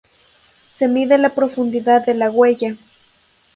Se mide la profundidad de la huella.